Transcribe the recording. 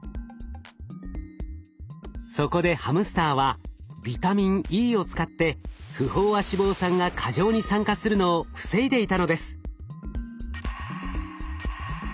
そこでハムスターはビタミンＥを使って不飽和脂肪酸が過剰に酸化するのを防いでいたのです。